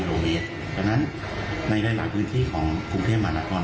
เพราะฉะนั้นในระหลากพื้นที่ของกรุงเทพฯมานาคอน